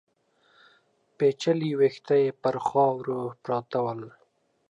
پيچلي ويښته يې پر خاورو پراته ول.